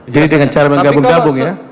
dengan cara menggabung gabung ya